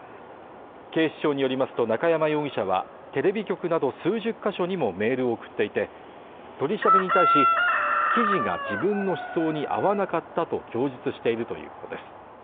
警視庁によりますと中山容疑者は、テレビ局など数十か所にもメールを送っていて、取り調べに対し、記事が自分の思想に合わなかったと供述しているということです。